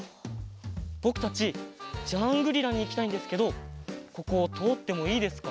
ぼくたちジャングリラにいきたいんですけどこことおってもいいですか？